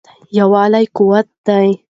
یووالی قوت دی.